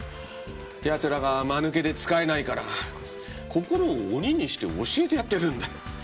奴らがまぬけで使えないから心を鬼にして教えてやってるんだ。